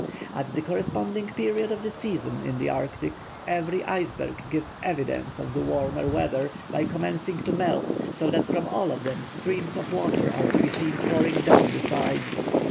At the corresponding period of the season in the Arctic, every iceberg gives evidence of the warmer weather by commencing to melt, so that from all of them streams of water are to be seen pouring down the sides.